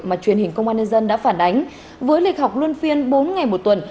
mà truyền hình công an nhân dân đã phản ánh với lịch học luân phiên bốn ngày một tuần